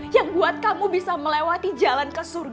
yang buat kamu bisa melewati jalan ke surga